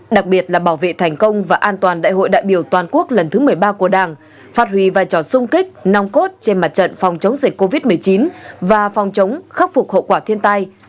đặc biệt là bảo vệ thành công và an toàn đại hội đại biểu toàn quốc lần thứ một mươi ba của đảng phát huy vai trò sung kích nòng cốt trên mặt trận phòng chống dịch covid một mươi chín và phòng chống khắc phục hậu quả thiên tai